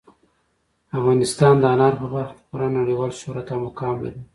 افغانستان د انارو په برخه کې پوره نړیوال شهرت او مقام لري.